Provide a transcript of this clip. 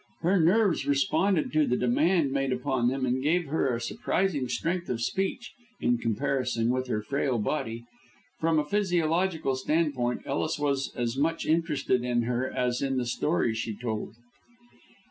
Her nerves responded to the demand made upon them, and gave her a surprising strength of speech in comparison with her frail body. From a physiological standpoint, Ellis was as much interested in her as in the story she told.